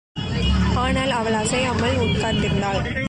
ஆனால், அவள் அசையாமல் உட்கார்ந்திருந்தாள்.